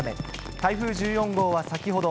台風１４号は先ほど、